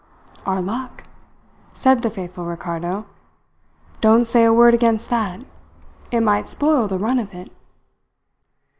"Our luck," said the faithful Ricardo. "Don't say a word against that. It might spoil the run of it."